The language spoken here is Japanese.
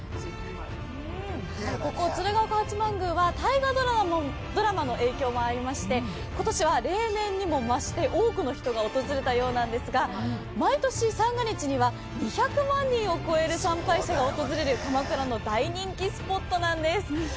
ここ鶴岡八幡宮は大河ドラマの影響もありまして今年は例年にも増して多くの人が訪れたようなんですが毎年、三が日には２００万人を超える参拝者が訪れる鎌倉の大人気スポットです。